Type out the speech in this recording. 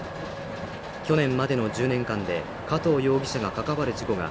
去年までの１０年間で加藤容疑者が関わる事故が